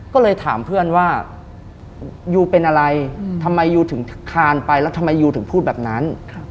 ก็เลยถามเพื่อนว่ายูเป็นอะไรทำไมยูถึงคานไปแล้วทำไมยูถึงพูดแบบนั้น